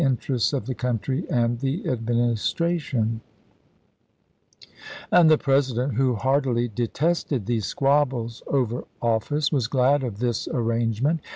interests of the country and the Administration w ; and the President, who heartily detested these squabbles over office, was glad of this arrange ment.